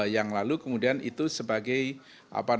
yang lalu kemudian itu sebagai kedudukan keuangan